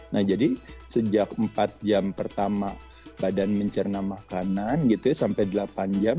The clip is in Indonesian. nah jadi sejak empat jam pertama badan mencerna makanan gitu ya sampai delapan jam